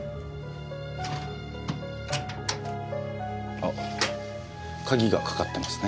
あっ鍵がかかってますね。